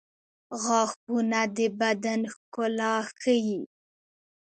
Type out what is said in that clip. • غاښونه د بدن ښکلا ښيي.